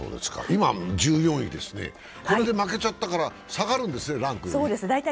今は１４位ですね、これで負けちゃったから下がるんですね、ランクは。